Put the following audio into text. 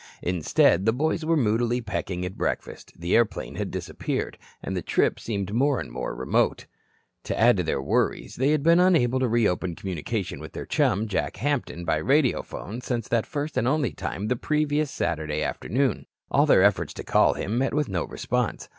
Instead, the boys were moodily pecking at breakfast, the airplane had disappeared, and the trip seemed more and more remote. To add to their worries, they had been unable to reopen communication with their chum, Jack Hampton, by radiophone, since that first and only time the previous Saturday afternoon. All their efforts to call him met with no response.